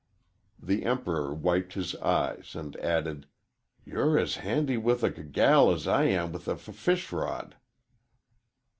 The Emperor wiped his eyes and added: "You're as handy with a g gal as I am with a f fish rod."